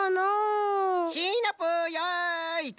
シナプーやいっと。